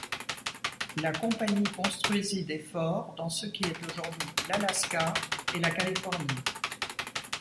La compagnie construisit des forts dans ce qui est aujourd'hui l'Alaska et la Californie.